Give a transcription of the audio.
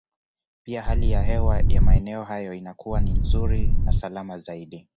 Pia hali ya hewa ya maeneo hayo inakuwa ni nzuri na salama zaidi